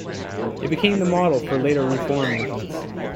It became the model for later reform movements.